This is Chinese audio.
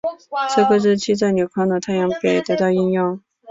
这个日期在纽康的太阳表也得到应用。